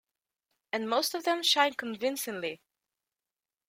And most of them shine convincingly.